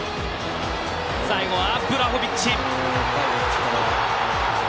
最後はヴラホヴィッチ。